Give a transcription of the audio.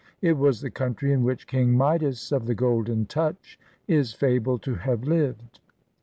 It was the country in which King Midas of the "golden touch " is fabled to have lived.